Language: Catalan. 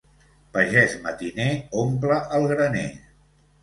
Pagès matiner omple el graner.